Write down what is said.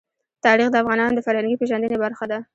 تاریخ د افغانانو د فرهنګي پیژندنې برخه ده.